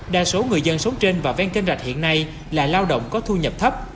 đa số người dân sống trên và ven kênh rạch hiện nay là lao động có thu nhập thấp